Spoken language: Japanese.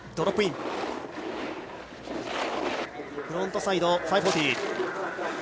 フロントサイド５４０。